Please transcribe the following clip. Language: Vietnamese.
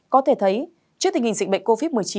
có thể thấy trước tình hình dịch bệnh covid một mươi chín